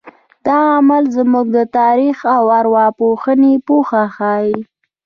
دا عمل زموږ د تاریخ او ارواپوهنې پوهه ښیي.